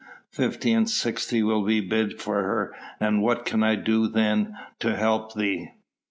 Fifty and sixty will be bid for her, and what can I do then to help thee?"